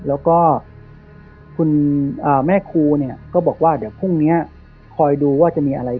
แล้วก็คุณแม่ครูเนี่ยก็บอกว่าเดี๋ยวพรุ่งนี้คอยดูว่าจะมีอะไร